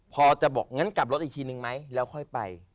พอจะบอกงั้นกลับรถอีกทีนึงไหมแล้วค่อยไป